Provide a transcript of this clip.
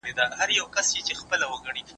د روم امپراطورۍ ولي له منځه ولاړه؟